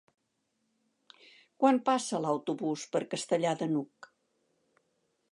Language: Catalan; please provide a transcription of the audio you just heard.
Quan passa l'autobús per Castellar de n'Hug?